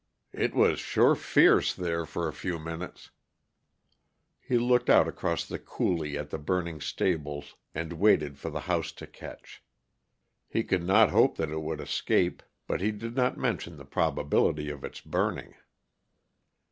"It was sure fierce, there, for a few minutes." He looked out across the coulee at the burning stables, and waited for the house to catch. He could not hope that it would escape, but he did not mention the probability of its burning.